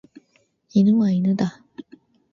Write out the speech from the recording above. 犬は犬だ。